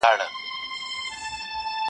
په خندا کي یې و زوی ته و ویله.